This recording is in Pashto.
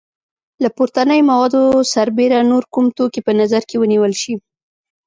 له پورتنیو موادو سربیره نور کوم توکي په نظر کې ونیول شي؟